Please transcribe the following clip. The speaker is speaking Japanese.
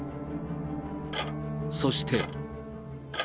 そして。